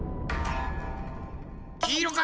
きいろか？